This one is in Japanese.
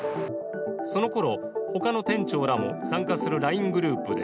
そのころ、ほかの店長らも参加するＬＩＮＥグループで